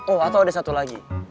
oh atau ada satu lagi